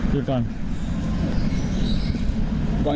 หยุดก่อน